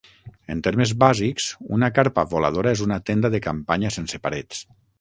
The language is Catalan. En termes bàsics, una carpa voladora és una tenda de campanya sense parets.